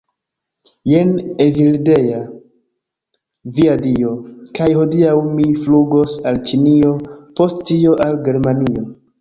Jen Evildea. Via Dio. kaj hodiaŭ mi flugos al ĉinio post tio, al Germanio